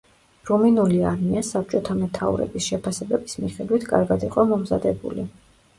რუმინული არმია, საბჭოთა მეთაურების შეფასებების მიხედვით, კარგად იყო მომზადებული.